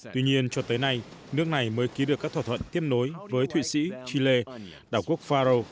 tuy nhiên cho tới nay nước này mới ký được các thỏa thuận tiếp nối với thụy sĩ chile đảo quốc faro